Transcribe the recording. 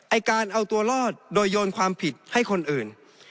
ไอ้การเอาตัวรอดโดยโยนความผิดให้คนอื่น